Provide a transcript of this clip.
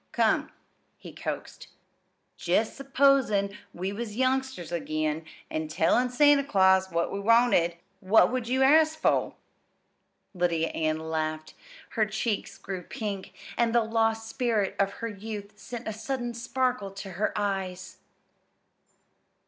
"Come," he coaxed, "jest supposin' we was youngsters again, a tellin' Santa Claus what we wanted. What would you ask for?" Lydia Ann laughed. Her cheeks grew pink, and the lost spirit of her youth sent a sudden sparkle to her eyes.